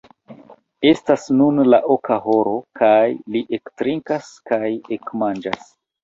Estas nun la oka horo, kaj li ektrinkas kaj ekmanĝas.